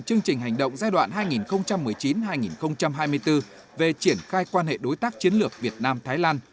chương trình hành động giai đoạn hai nghìn một mươi chín hai nghìn hai mươi bốn về triển khai quan hệ đối tác chiến lược việt nam thái lan